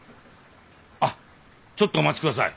あっちょっとお待ちください。